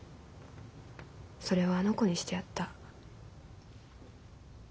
それをあの子にしてやった。